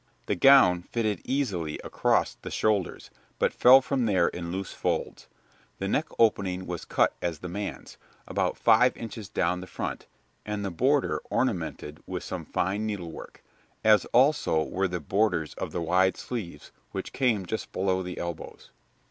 The gown fitted easily across the shoulders, but fell from there in loose folds. The neck opening was cut as the man's, about five inches down the front, and the border ornamented with some fine needlework, as also were the borders of the wide sleeves, which came just below the elbows.